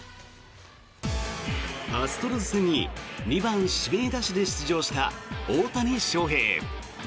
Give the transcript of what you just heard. アストロズ戦に２番指名打者で出場した大谷翔平。